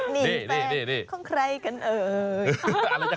นี่ของใครกันเอ่ย